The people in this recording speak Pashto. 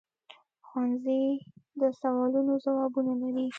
ښوونځی د سوالونو ځوابونه لري